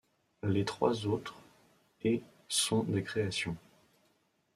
Les trois autres ',' et ' sont des créations.